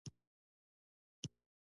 پسه هر کال نسل زیاتوي.